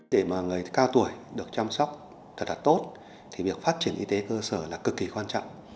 để mà người cao tuổi được chăm sóc thật là tốt thì việc phát triển y tế cơ sở là cực kỳ quan trọng